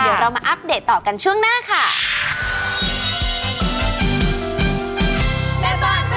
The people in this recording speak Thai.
เดี๋ยวเรามาอัปเดตต่อกันช่วงหน้าค่ะ